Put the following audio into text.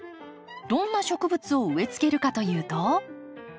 どんな植物を植えつけるかというと。